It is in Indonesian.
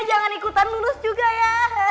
jangan ikutan lulus juga ya